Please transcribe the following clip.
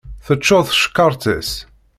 Teččuṛ tcekkaṛt-is.